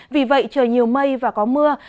vì vậy trời nhiều mây và có mưa